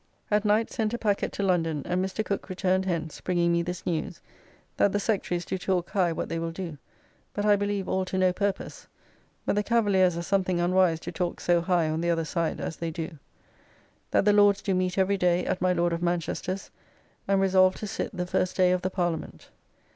At night sent a packet to London, and Mr. Cook returned hence bringing me this news, that the Sectaries do talk high what they will do, but I believe all to no purpose, but the Cavaliers are something unwise to talk so high on the other side as they do. That the Lords do meet every day at my Lord of Manchester's, and resolve to sit the first day of the Parliament.